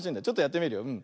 ちょっとやってみるよ。